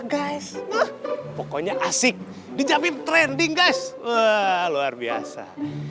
guys pokoknya asik dijamin trending guys wah luar biasa